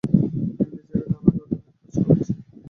বিভিন্ন জায়গায় নানান ধরনের কাজ করেছি।